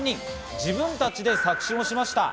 自分たちで作詞もしました。